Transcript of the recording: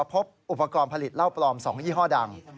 พบอุปกรณ์ผลิตเหล้าปลอม๒ยี่ห้อดัง